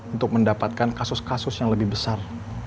untuk mendapatkan kasus kasus yang lebih besar